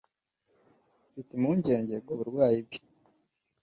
mfite impungenge ku burwayi bwe